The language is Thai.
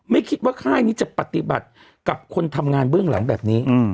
ไม่คิดว่าค่ายนี้จะปฏิบัติกับคนทำงานเบื้องหลังแบบนี้